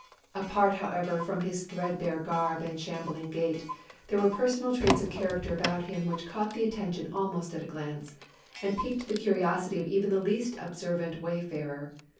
Apart, however, from his threadbare garb and shambling gait, there were personal traits of character about him which caught the attention almost at a glance, and piqued the curiosity of even the least observant wayfarer.